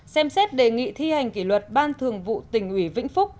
ba xem xét đề nghị thi hành kỷ luật ban thường vụ tỉnh uỷ vĩnh phúc